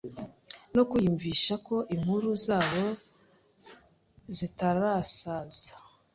no kwiyumvisha ko inkuru zabo zitarasaza